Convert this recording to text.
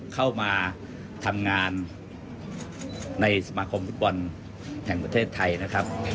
เข้ามาทำงานในสมาคมฟุตบอลแห่งประเทศไทยนะครับ